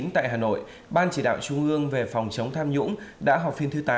tại hà nội ban chỉ đạo trung ương về phòng chống tham nhũng đã họp phiên thứ tám